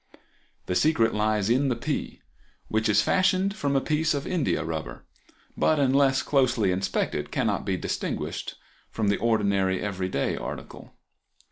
The secret lies in the pea, which is fashioned from a piece of india rubber, but unless closely inspected cannot be distinguished from the ordinary everyday article.